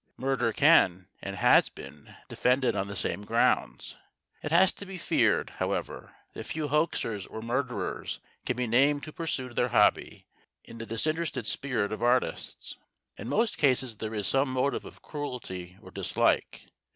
Murder can, and has, been defended on the same grounds. It is to be feared, however, that few hoaxers or murderers can be named who pursued their hobby in the disinterested spirit of artists. In most cases there is some motive of cruelty or dislike.